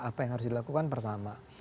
apa yang harus dilakukan pertama